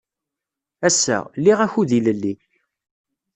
Ass-a, liɣ akud ilelli.